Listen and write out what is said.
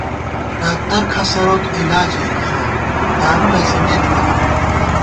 ڈاکتر کھسَروت علاجےخو دارُو نہ ݪِمېت کرہ